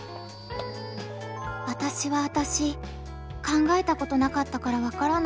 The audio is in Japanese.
考えたことなかったからわからない。